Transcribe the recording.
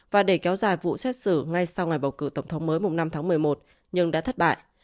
và để kéo dài vụ xét xử ngay sau ngày bầu cử tổng thống mới năm tháng một mươi một nhưng đã thất bại